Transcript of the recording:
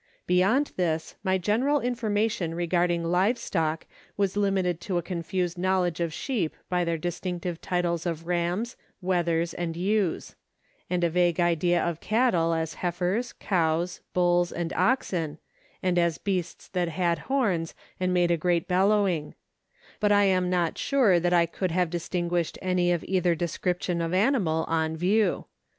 Beyond this, my general information regarding live stock was limited to a confused knowledge of sheep by their distinctive titles of rams, wethers, and ewes ; and a vague idea of cattle as heifers, cows, Lulls, and oxen, and as beasts that had horns, and made a great bellowing ; but I am not sure that I could have distinguished any of either description of animal on view.